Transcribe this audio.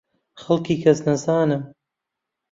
خەڵکی کەسنەزانم.